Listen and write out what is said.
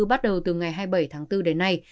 bắt đầu từ ngày hai mươi bảy tháng bốn đến nay